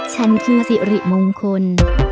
ฉันคือสิริมงคล